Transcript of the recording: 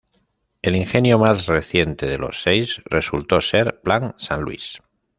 El ingenio más reciente de los seis, resultó ser Plan San Luis.